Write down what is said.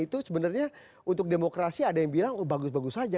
itu sebenarnya untuk demokrasi ada yang bilang bagus bagus saja